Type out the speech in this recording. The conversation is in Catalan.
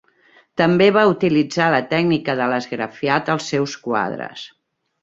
També va utilitzar la tècnica de l’esgrafiat als seus quadres.